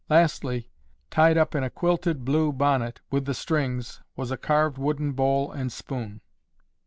Lastly, tied up in a quilted blue bonnet with the strings, was a carved wooden bowl and spoon.